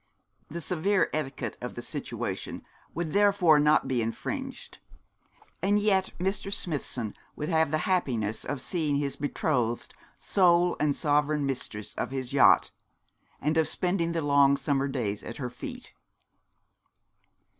The severe etiquette of the situation would therefore not be infringed; and yet Mr. Smithson would have the happiness of seeing his betrothed sole and sovereign mistress of his yacht, and of spending the long summer days at her feet.